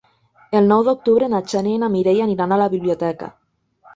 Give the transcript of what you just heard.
El nou d'octubre na Xènia i na Mireia aniran a la biblioteca.